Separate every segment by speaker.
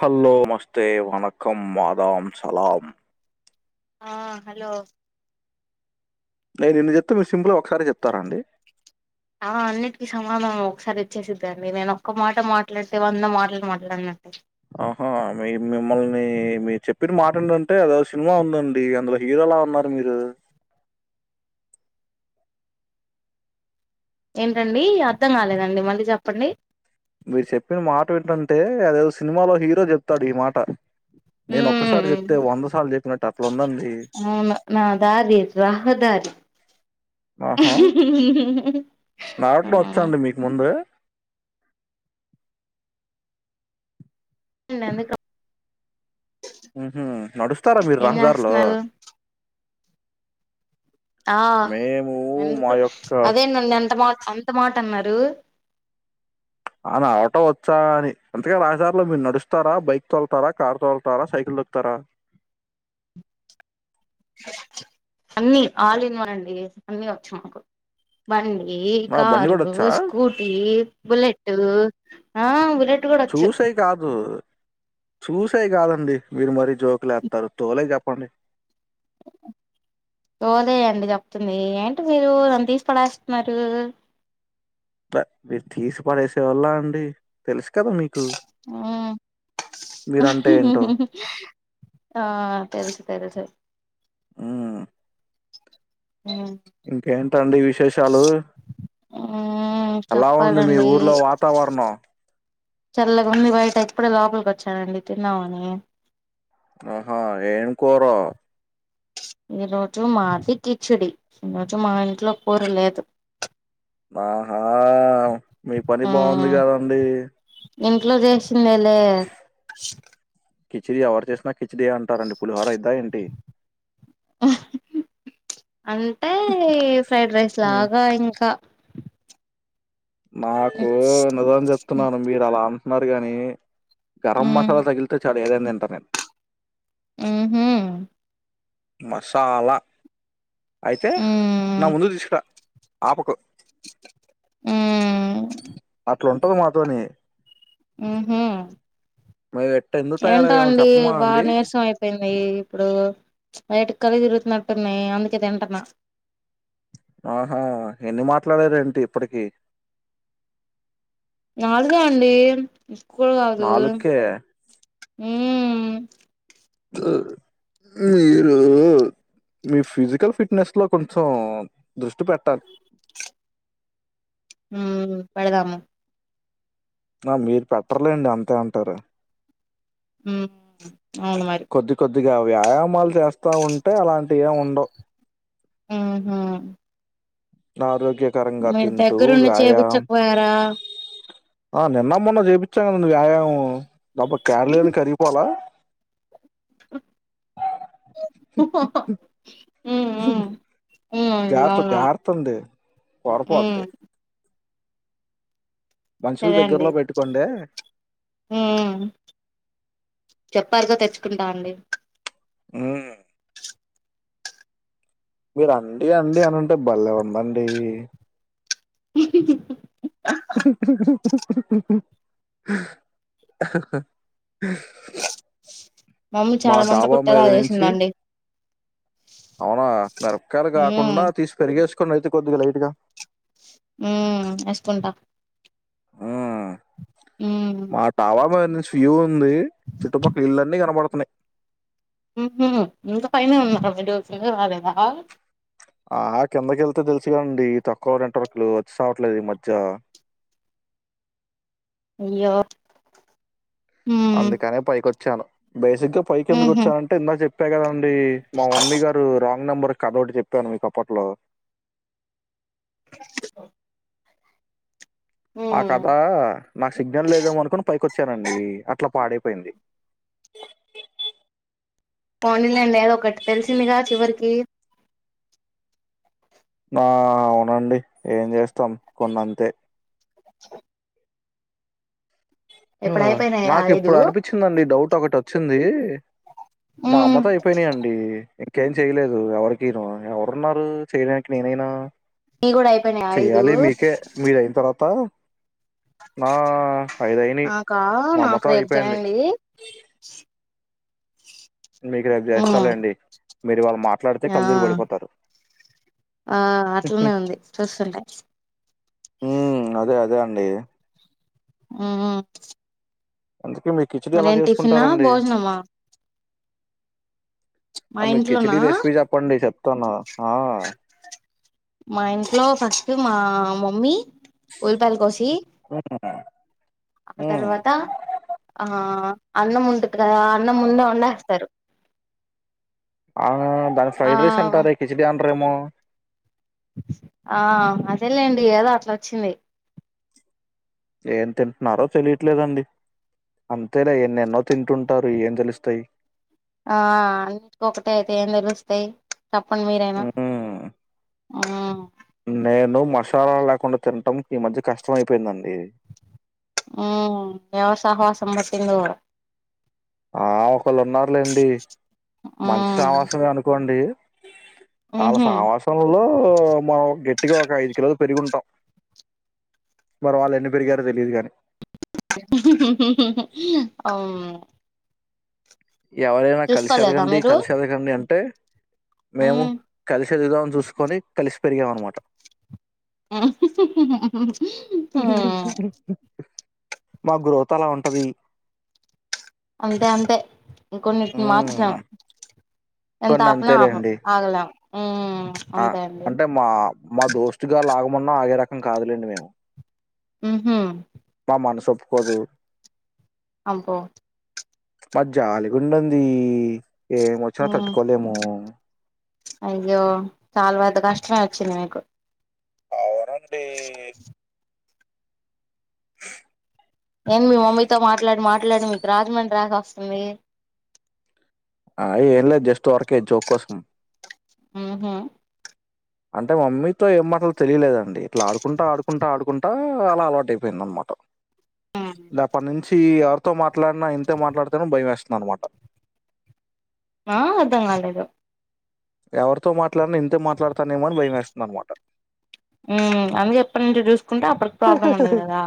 Speaker 1: Hello నమస్తే వాణకం వాదామ్ సలాం.
Speaker 2: ఆహ్ హలో.
Speaker 1: నేను ఎన్ని చెప్తున్నా మీరు సింపుల్గా ఒకసారే జెప్తారా అండి.
Speaker 2: ఆహ్ అన్నిటికిీ సమాధనం ఒక్కసారే ఈచ్చేసిద్దాం అండి నేను ఒక్క మాట మాట్లాడ్తే వంద మాట్లాలు మాట్లాడినట్టు.
Speaker 1: ఆహా మేం మిమ్మల్ని మీరు చెప్పిన మాటను వింటే అదో సినిమా ఉందండి అందులో హీరో. ఎలా ఉన్నారు మీరు.
Speaker 2: ఏంటండి అర్థం గాలేదండి మళ్ళీ చెప్పండి.
Speaker 1: మీర్ చెప్పిన మాట వింటుంటే అదేదో సినిమాలో హీరో చెప్తాడు ఈ మాట. నేను
Speaker 2: మ్మ్
Speaker 1: ఒక్కసారి జెప్తే వంద సార్లు జెప్పినట్టు అట్లుందండి.
Speaker 2: అవును నా దారి రహదారి ఆ
Speaker 1: నాట్లో ఓచ్చాండి మీకు ముందే.
Speaker 2: ఎందుకు.
Speaker 1: ఉమ్మ్ నడుస్తారా మీరు
Speaker 2: ఏం
Speaker 1: రహదారుల్లో.
Speaker 2: చేస్తున్నారు ఆహ్
Speaker 1: మేము మా
Speaker 2: ఎందుకు
Speaker 1: యొక్క
Speaker 2: అదేంటండి అంత మాట. అంత మాట అన్నారు.
Speaker 1: ఆనా ఆటో వచ్చా అని అంటే ఆ రహదారులో మీరు నడుస్తారా బైక్ తోలుతారా కార్ తోలుతారా సైకిల్. ల్కుతారా.
Speaker 2: అన్ని ఆల్ఇన్వన్ అండి అన్ని ఒచ్చ్ మాకు బండ్. ఈ
Speaker 1: ఆ! బండి
Speaker 2: కారూ
Speaker 1: గూడొచ్చా?
Speaker 2: స్కూటీ బులేట్ ఆహ్ బులేట్.
Speaker 1: చూసేయే కాదు. చూసేయి గాదండి మీరు మరీ జోకులేత్తరు తోలేవిజ్జేప్పండి.
Speaker 2: ఓలే అండి జెప్తుంది ఏంటి మీరు నన్ తీస్పడేస్తున్నారు
Speaker 1: ప మీర్ తీస్పడేసేవాళ్ళ అండి తెలుస్
Speaker 2: ఊమ్
Speaker 1: మీరంటే ఏంటో.
Speaker 2: ఆ తెలుసు తెలుసు
Speaker 1: ఊమ్ ఇంకేంటండి విశేషాలు
Speaker 2: మ్మ్
Speaker 1: అలా ఉంది మీ
Speaker 2: చెప్పాలండి
Speaker 1: ఊర్లో వాతావరణం
Speaker 2: చల్లగా ఉంది బయట ఇప్పుడే లోపలికి వచ్చానండి తిందామని
Speaker 1: ఆహా ఏంకురో
Speaker 2: ఈ రోజు మాది కిచిడి, ఈ రోజు మా ఇంట్లో కూర లేదు
Speaker 1: ఆహా మీ పని బాగుంది
Speaker 2: మ్మ్
Speaker 1: గదండి
Speaker 2: ఇంట్లో చేసిందె లే
Speaker 1: కిచిడి ఎవరు చేసినా కిచిడి ఏ అంటారండి పులిహోర అయిద్దా ఏంటి
Speaker 2: అంటే ఫ్రైడ్ రైస్
Speaker 1: హ్మ్.
Speaker 2: లాగా ఇంకా
Speaker 1: నాకు నిజం చెప్తున్నాను మీరు అలా అంటున్నారు గాని గరం
Speaker 2: మ్మ్
Speaker 1: మసాలా తగిలితే చాలు ఏదైన్ తింటాన్ నేను
Speaker 2: ఉహ్
Speaker 1: మసాలా అయితే నా
Speaker 2: మ్మ్
Speaker 1: ముందు తీస్కరా ఆపకు
Speaker 2: ఉమ్
Speaker 1: అట్లుంటది మాతోని
Speaker 2: ఉహ్
Speaker 1: మేము ఎట్ట ఎందుకు
Speaker 2: ఏంటో
Speaker 1: తయారయ్యామో
Speaker 2: అండి
Speaker 1: చెప్పమా
Speaker 2: బాగా
Speaker 1: అండి
Speaker 2: నీరసం అయిపోయింది ఇప్పుడు లైటుగా కళ్ళు తిరుగుతున్నట్టున్నాయి అందుకే తింటున్నా
Speaker 1: ఆహా ఎన్ని మాట్లా [unintelligible] ఏంటి ఇప్పటికి
Speaker 2: నాలుగ అండి ఇకుల్ కాదు
Speaker 1: నాలుకే
Speaker 2: మ్ మ్
Speaker 1: మీరు మీ ఫిజికల్ ఫిట్నెస్ లో కొంచెం దృష్టి పెట్టాలి
Speaker 2: హమ్ పెడదము
Speaker 1: ఆ మీరు పెట్టర్లేండి అంతే అంటారు
Speaker 2: మ్ అవును మరి
Speaker 1: కొద్ది కొద్దిగా వ్యాయామాలు చేస్తా ఉంటే అలాంటి ఏం ఉండవ్
Speaker 2: మ్ హు
Speaker 1: ఆరోగ్యకరంగా తింటూ
Speaker 2: దగ్గరుండి
Speaker 1: వ్యాయామ్
Speaker 2: చేపిచ్చకపోయారా
Speaker 1: ఆ నిన్నమ్ మొన్న చేపిచాం కదండి వ్యాయామం డబ్బా కేరలేమి కరిగిపోల
Speaker 2: హహహ
Speaker 1: హమ్ జార్త
Speaker 2: అవునవును
Speaker 1: జార్తుంది
Speaker 2: మ్మ్
Speaker 1: పర్పోంది మనుషులు
Speaker 2: సరే అండి
Speaker 1: దగ్గరలో పెట్టుకోండి
Speaker 2: హు మ్ చెప్పారుగ తెచ్చుకుంటా అండి
Speaker 1: మ్ మీరు అండి అండి అని అంటే బలె ఉందండి
Speaker 2: మ్ మ్
Speaker 1: [unintelligible] అహహ్
Speaker 2: మమ్మీ
Speaker 1: మా
Speaker 2: చాలా మంట
Speaker 1: డాబా
Speaker 2: పుట్టేలా
Speaker 1: మీద నుంచి
Speaker 2: చేసిందండి
Speaker 1: అవునా మిరపకాయలు
Speaker 2: మ్మ్
Speaker 1: కాకుండా తీసి పెరిగేసుకొండి అయితే కొద్దిగా లైట్గా
Speaker 2: ఉమ్ వేసుకుంటా
Speaker 1: ఆ మా టవా మ [unintelligible] ఉంది చుట్టుపక్కల ఇళ్ళన్నీ కనపడుతున్నాయి
Speaker 2: మ్ మ్హ ఇంత పైన ఉన్నారు మోజు రాలేదా
Speaker 1: ఆ కిందకి వెళ్తే తెలుసు కదండి తక్కువ రెంటవరకులు వచ్చి సావట్లేదు ఈ మధ్య
Speaker 2: యయ్యె
Speaker 1: అందుకనే పైకొచ్చాను బేసిగ్గా పైకి
Speaker 2: ఉహు
Speaker 1: ఎందుకొచ్చావంటే ఇందాక చెప్పే కదా అండ్. ఇది మా మమ్మీ గారు రాంగ్ నెంబర్ కాబోర్డ్ చెప్పాను మీకు అప్పట్లో. ఆ
Speaker 2: ఉమ్
Speaker 1: కథా నాకు సిగ్నల్ లేదేమో అనుకుని పైకి వచ్చానండి అట్లా పాడై పోయింది
Speaker 2: పోనీలేండి ఎదో ఒకటి తెలిసిందిగా చివరికి
Speaker 1: బా అవునండి ఏం చేస్తాం కొన్నంతే హ
Speaker 2: ఇప్పుడు అయిపోయినాయి ఆ
Speaker 1: నాకు
Speaker 2: ఐదు
Speaker 1: ఇప్పుడు అనిపించిందండి డౌట్ టోకటోచ్చింది మా అమ్మతో అయిపోయినయండి ఇంకేం చేయలేదు ఎవరికీను ఎవరున్నారూ చేయడానికి నేనైనా
Speaker 2: నీ కూడా అయిపోయినాయి ఆ ఐదు
Speaker 1: చెయ్యాలి మీకే మీరైంతర్వాత నా ఐదైనైయ్
Speaker 2: నాకా నాకు
Speaker 1: మాఅమ్మతో
Speaker 2: రేపు
Speaker 1: అయిపోయింది
Speaker 2: చేయండి
Speaker 1: మీకు రేపు చేస్తలేండి మీరు ఇవాళ మాట్లాడితే
Speaker 2: ఆ
Speaker 1: కళ్ళుతిరిగి పడిపోతారు
Speaker 2: ఆ అట్లనే ఉంది చూస్తుంటే
Speaker 1: హు మ్ అదే అదే అండి
Speaker 2: హుమ్
Speaker 1: అందుకే మీరు కిచిడి ఎలా
Speaker 2: మరిేం టిఫినా
Speaker 1: చేసుకుంటారండి?
Speaker 2: భోజనమా మా
Speaker 1: అ మీ
Speaker 2: ఇంట్లోనా
Speaker 1: కిచిడి రెసిపీ చెప్పండి చెప్తాను హా
Speaker 2: మా ఇంట్లో ఫస్ట్ మా మమ్మీ ఊల్లిపాయలు కోసి
Speaker 1: హ్మ్
Speaker 2: ఆ
Speaker 1: హ్మ్
Speaker 2: తర్వాత ఆ అన్నం ఉంటుంది కదా అన్నం ముందే వండేస్తారు
Speaker 1: ఆ దాని
Speaker 2: ఆ
Speaker 1: ఫ్రైడ్ రైస్ అంటారే కిచిడి అనరేమో
Speaker 2: ఆ అదేలేండి ఏదో అట్లోచ్చింది
Speaker 1: ఏం తింటున్నారో తెలియట్లేదండి అంతేలే ఎన్నెన్నో తింటుంటారు ఏం తెలుస్తాయ్
Speaker 2: ఆ అన్నిటికొటే అయితే ఏం తెలుస్తాయ్ చెప్పండి మీరైనా
Speaker 1: హ్మ్
Speaker 2: ఆ
Speaker 1: నేను మసాలా లేకుండా తినటం ఈ మధ్య కష్టమైపోయిందండి
Speaker 2: ఉమ్ ఎవ సాహవసం బట్టిందో
Speaker 1: ఆ ఒకళ్ళు ఉన్నారులేండి మంచి
Speaker 2: మ్మ్
Speaker 1: సామాసమే అనుకోండి వాళ్ళ
Speaker 2: ఊహూ
Speaker 1: సాహాసంలో మన గేట్ ట్టిగా ఒక ఐదు కిలోలు పెరిగుంటాం మరి వాళ్ళు ఎన్ని పెరిగారో తెలీదు కాని
Speaker 2: అవును
Speaker 1: ఎవరైనా
Speaker 2: చూసుకోలేదా
Speaker 1: కలిసరుగండి
Speaker 2: మీరు
Speaker 1: కలిసరుగండి అంటే మేము
Speaker 2: మ్మ్
Speaker 1: కలి శరీరలను చూసుకొని కలిసి పెరిగాం అన్నమాట
Speaker 2: మ్మ్
Speaker 1: మా గ్రోత్ అలా ఉంటది
Speaker 2: అంతే అంతే ఇంకొన్నిటిని
Speaker 1: మ్మ్
Speaker 2: మార్చలేమ్ ఎంత
Speaker 1: కొన్ని
Speaker 2: ఆపినా ఆపమ్
Speaker 1: అంతేలేండి
Speaker 2: ఆగలే హుమ్
Speaker 1: ఆ అంటే మా మా దోస్టుగాళ్ళు ఆగమన్నా ఆగే రకం కాదులేండి మేము
Speaker 2: మ్ హూ
Speaker 1: మా మనసొప్పుకోదు
Speaker 2: అబ్బో
Speaker 1: మది జాలిగుండంది
Speaker 2: ఆ అయ్యో చాల పెద్ద కష్ ష్టమే వచ్చింది మీకు
Speaker 1: అవునను
Speaker 2: ఏం మీ మమ్మీతో మాట్లాడి మాట్లాడి మీకు రాజమండ్రి యాస వస్తుంది.
Speaker 1: అ ఏంలేదు జస్ట్ ఊరికే జోక్ కోసం
Speaker 2: మ్ హు
Speaker 1: అంటే మమ్మీతో ఏం మాటలు తెలియలేదండి. ఇట్లా ఆడుకుంటా ఆడుకుంటా ఆడుకుంటా అలా అలవాటు అయిపోయింది మామ్మ
Speaker 2: బ్లాంక్
Speaker 1: ద అప్పటి నుంచి ఎవరితో మాట్లాడినా ఇంతే మాట్లాడతన భయం వేస్త మన మాట
Speaker 2: మా అర్ధం కాలేదు.
Speaker 1: ఎవరితో మాట్లాడిన ఇంతే మాట్లాడతానేమోని భయమేస్తుంది అనమాట.
Speaker 2: ఉమ్ అందుకే ఎప్పటి నుంచి చూసుకుంటే అప్పటికి ప్రాబ్లం ఉండదు కదా.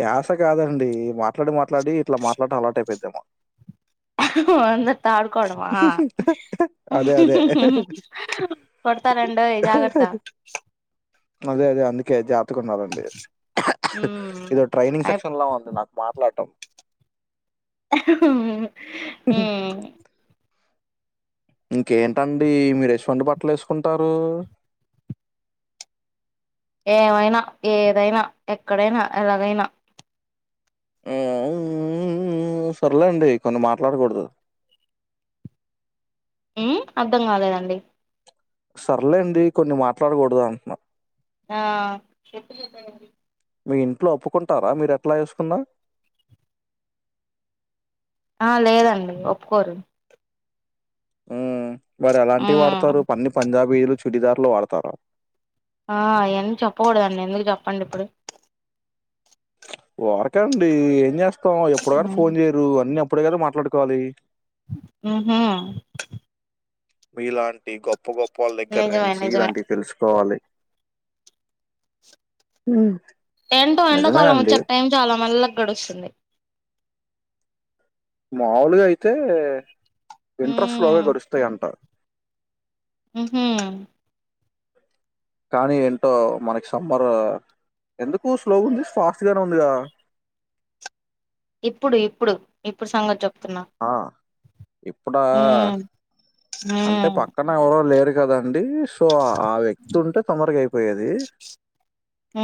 Speaker 1: యాశ కాదండి మాట్లాడి మాట్లాడి ఇట్లా మాట్లాడటం అలవాటు అయిపోయిందేమొ
Speaker 2: అందరితో ఆడుకోడమా
Speaker 1: అదే అదే.
Speaker 2: మ్ కొడతనండోయి జాగ్రత్త
Speaker 1: అదే అదే అందుకే జాబ్ ఎత్తుకున్నరండి
Speaker 2: ఉమ్
Speaker 1: ఇదో ట్రైనింగ్
Speaker 2: అయి
Speaker 1: సెక్షన్ లా ఉంది నాకు మాట్లాడటం.
Speaker 2: ఆహ్ హుమ్
Speaker 1: ఇంకేంటండి మీరేసువంటి బట్టలు వేసుకుంటారు?
Speaker 2: ఏవైనా, ఏదైనా, ఎక్కడైనా, ఎలాగైనా
Speaker 1: ఉ ఉ ఊమ్ సర్లేండి కొన్ని మాట్లాడకూడదు.
Speaker 2: ఉ అర్థం కాలేదండి.
Speaker 1: సర్లేండి కొన్ని మాట్లాడకూడదు అంటన
Speaker 2: ఆ
Speaker 1: మీ ఇంట్లో ఒప్పుకుంటారా మీరు ఎట్లా ఏసుకున్న?
Speaker 2: ఆ లేదండి ఒప్పుకోరు.
Speaker 1: మ్ మరి ఎలాంటివి
Speaker 2: ఉమ్
Speaker 1: వాడతారు అన్ని పంజాబీలు, చుడిదార్లు వాడతారా?
Speaker 2: ఆ ఏం చెప్పకూడదండి ఎందుకు చెప్పండి ఇప్పుడు.
Speaker 1: ఊరకండి అండి ఏం చేస్తాం ఎప్పుడో కానీ
Speaker 2: ఉమ్
Speaker 1: ఫోన్ చేయరు అన్నీ ప్ ఇప్పుడే కదా మాట్లాడుకోవాలి.
Speaker 2: ఉహ్
Speaker 1: మీలాంటి గొప్ప గొప్ప వాళ్ళ దగ్గర
Speaker 2: నిజమే
Speaker 1: నుంచి
Speaker 2: నిజమే
Speaker 1: ఇలాంటివి తెలుసుకోవాలి. హ్మ్
Speaker 2: ఎంటో ఎండాకాలం వచ్చాక టైం చాలా మెళ్లగా గడుస్తుంది.
Speaker 1: మాములుగా అయితే
Speaker 2: ఉ
Speaker 1: ఇంట్రెస్ట్ లోగా గడుస్తాయి అంట.
Speaker 2: ఉహు
Speaker 1: కానీ ఏంటో మనకి సమ్మరు ఎందుకు స్లోగా ఉంది ఫాస్ట్ గానే ఉందిగా.
Speaker 2: ఇప్పుడు ఇప్పుడు ఇప్పుడు సంగతి చప్
Speaker 1: ఆ ఇప్పుడా
Speaker 2: ఉ ఉ
Speaker 1: అంటే పక్కన ఎవరు లేరు కదండి సో ఆ వ్యక్తి ఉంటే తొందరగా అయిపోయేది
Speaker 2: ఉ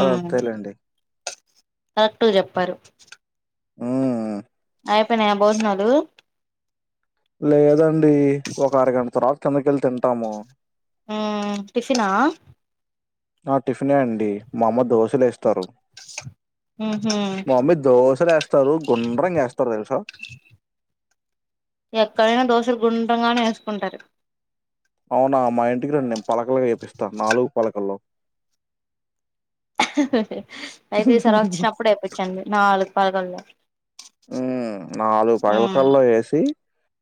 Speaker 1: అదంతేలేండి.
Speaker 2: కరెక్టుగ చెప్పారు.
Speaker 1: ఊ
Speaker 2: అయిపోయినాయా భోజనాలు?
Speaker 1: లేదండి ఒక అరగంట తర్వాత కిందకెళ్ళి తింటాము.
Speaker 2: హ్మ్ టిఫినా?
Speaker 1: ఆ టిఫిన్ అండి మా అమ్మ దోశలే వేస్తారు.
Speaker 2: ఉహు
Speaker 1: మా మమ్మీ దోశలు వేస్తారు, గుండ్రంగా వేస్తారు తెలుసా.
Speaker 2: ఎక్కడైనా దోశలు గుండ్రంగానే వేసుకుంటారు.
Speaker 1: అవునా మా ఇంటికి రండి పలకలుగా ఏపిస్తా నాలుగు పలకల్లో.
Speaker 2: అయితే ఈసారి వచ్చినప్పుడు ఎపిచండి నాలుగు పలగల్లో
Speaker 1: ఉమ్ నాలుగు పలకల్లో ఎసి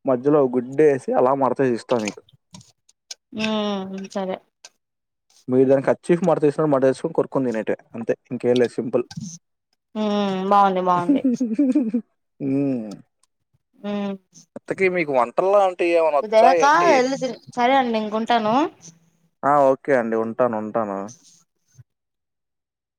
Speaker 1: మధ్యలో గుడ్డేసి అలా మడ
Speaker 2: ఉమ్ సరే
Speaker 1: మీరు దానికి కచ్చీఫ్ మాడ్తీసిన మటేసుకొని కొరుక్కుతినేదే అంతే ఇంకేలేస్ సింపల్
Speaker 2: ఉ బాగుంది బాగుంది
Speaker 1: ఉమ్
Speaker 2: ఉమ్
Speaker 1: అంటే ఏమైనా వచ్చా
Speaker 2: ఇదయకా
Speaker 1: ఏంటి?
Speaker 2: ఎల్లితిన్ సరే అండి ఇంకుంటాను
Speaker 1: ఆ ఓకే అండి ఉంటాను ఉంటాను